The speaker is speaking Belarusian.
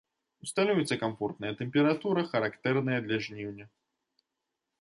Усталюецца камфортная тэмпература, характэрная для жніўня.